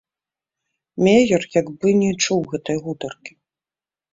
Меер як бы не чуў гэтай гутаркі.